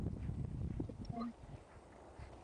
帝国议会时期。